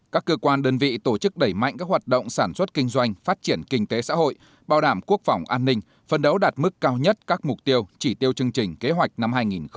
các cơ quan đơn vị tổ chức đẩy mạnh các hoạt động sản xuất kinh doanh phát triển kinh tế xã hội bảo đảm quốc phòng an ninh phân đấu đạt mức cao nhất các mục tiêu chỉ tiêu chương trình kế hoạch năm hai nghìn hai mươi